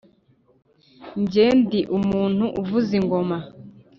nge ndi umuntu uvuza ingoma,